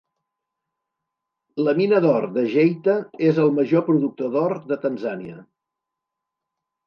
La mina d'or de Geita és el major productor d'or de Tanzània.